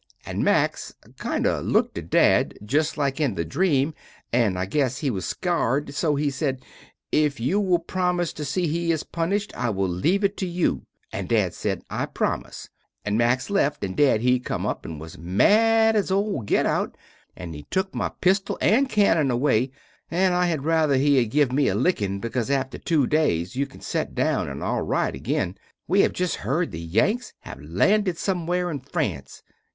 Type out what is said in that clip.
And Max kind of lookd at dad just like in the dream and I guess he was scart, so he sed, If you will promise to see he is punisht I will leve it to you, and dad sed, I promise, and Max left and dad he come up and was mad as ole get out, and he took my pistol and canon away and I had ruther he had give me a lickin because after too days you can set down and are al rite again. We have just herd the Yanks have landid somewhere in France.